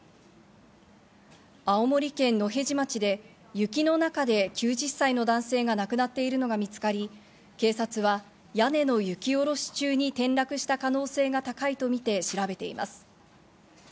青森県野辺地町で雪の中で９０歳の男性が亡くなっているのが見つかり、警察は屋根の雪下ろし中に転落した可能性が高いとみて調べています。